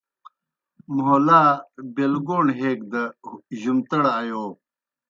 مھولا بیگوݨ ہیک دہ جُمتَڑ آیو۔